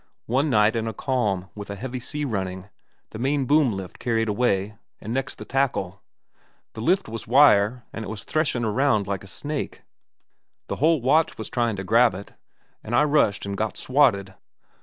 "One night, in a calm, with a heavy sea running, the main boom lift carried away, an' next the tackle. The lift was wire, an' it was threshin' around like a snake. The whole watch was tryin' to grab it, an' I rushed in an' got swatted."